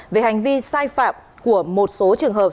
về hành vi sai phạm của một số trường hợp